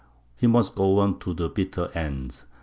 He must go on to the bitter end.